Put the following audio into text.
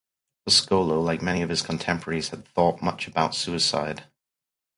Foscolo, like many of his contemporaries, had thought much about suicide.